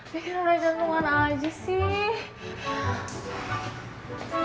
bikin luar janggungan aja sih